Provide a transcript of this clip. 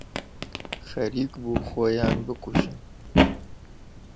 خەریک بوو خۆیان بکوژن.